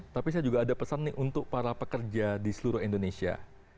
tapi saya juga ada pesan nih untuk para pekerja di seluruh indonesia